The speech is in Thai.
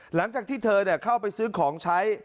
หลังจากที่เธอเข้าไปซื้อของใช้